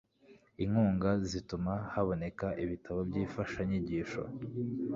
Inkunga zituma haboneka ibitabo by'imfashanyigisho,